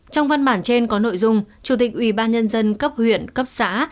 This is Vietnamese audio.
trong văn bản trên có nội dung chủ tịch ủy ban nhân dân cấp huyện cấp xã